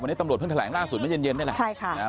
วันนี้ตำรวจเพิ่งแถลงล่าสุดเย็นได้แหละ